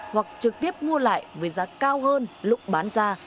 hoặc trực tiếp mua lại với giá cao hơn lúc bán ra